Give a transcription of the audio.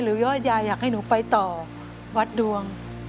ยอดยายอยากให้หนูไปต่อวัดดวง